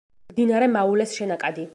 მდინარე მაულეს შენაკადი.